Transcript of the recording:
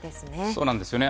そうなんですよね。